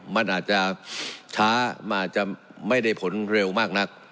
มันอาจจะช้ามันอาจจะไม่ได้ผลเร็วมากนัก